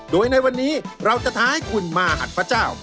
โดยในวันนี้เราจะท้าให้คุณมาหัดพระเจ้า